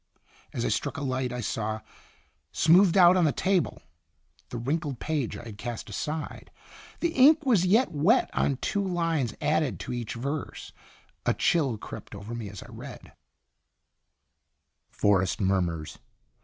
As I struck a light I saw, smoothed out on the table, the wrinkled page I Itinerant f case. 27 had cast aside. The ink was yet wet on two lines added to each verse. A chill crept over me as I read : FOREST MURMURS.